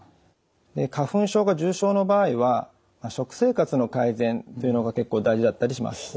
花粉症が重症の場合は食生活の改善というのが結構大事だったりします。